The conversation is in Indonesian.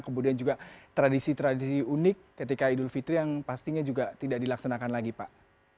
kemudian juga tradisi tradisi unik ketika idul fitri yang pastinya juga tidak dilaksanakan lagi pak